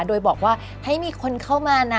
โดยบอกว่าให้มีคนเข้ามานะ